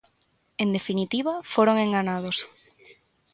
En definitiva, foron enganados.